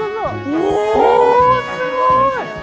おすごい！